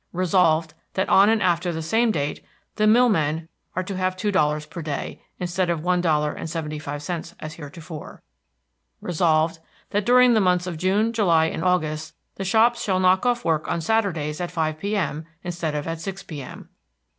Resolved, That on and after the same date the millmen are to have $2.00 per day, instead of $1.75 as heretofore. Resolved, That during the months of June, July, and August the shops shall knock off work on Saturdays at five P.M., instead of at six P.M.